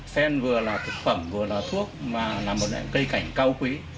sen vừa là thực phẩm vừa là thuốc mà là một cây cảnh cao quý